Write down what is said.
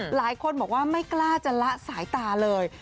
หลายคนบอกว่าไม่กล้าจะละสายตาเลย